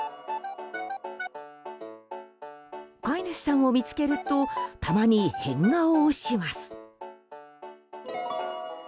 飼い主さんを見つけるとたまに変顔をします。